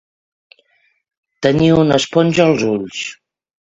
Tenir una esponja als ulls.